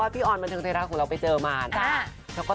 พี่อนบนเตือกเตยราถของเราจะไปเจอมา